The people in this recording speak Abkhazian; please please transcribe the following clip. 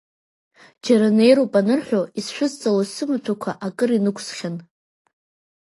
Џьара неироуп анырҳәо исшәысҵалоз сымаҭәақәа акыр инықәсхьан.